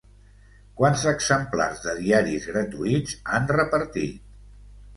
Quants exemplars de diaris gratuïts han repartit?